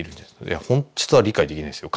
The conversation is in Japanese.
本質は理解できないですよ